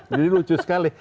jadi lucu sekali